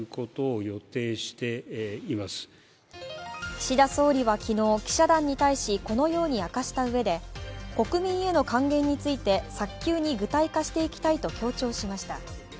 岸田総理は昨日、記者団に対しこのように明かしたうえで国民への還元について早急に具体化していきたいと強調しました。